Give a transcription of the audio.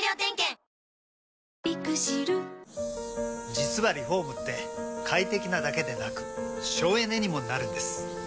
実はリフォームって快適なだけでなく省エネにもなるんです。